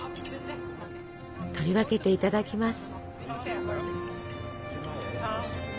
取り分けていただきます。